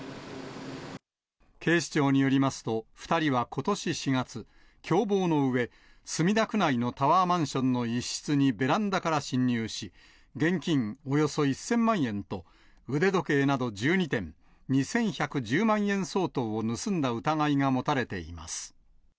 警視庁によりますと、２人はことし４月、共謀のうえ、墨田区内のタワーマンションの一室にベランダから侵入し、現金およそ１０００万円と腕時計など１２点２１１０万円相当を盗んだ疑いが持たれています。